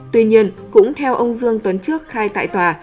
tuy nhiên cũng theo ông dương tuấn trước khai tại tòa